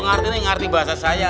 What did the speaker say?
ngerti nih ngerti bahasa saya